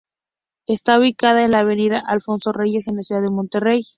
Está ubicada en la "Avenida Alfonso Reyes" en la ciudad de Monterrey.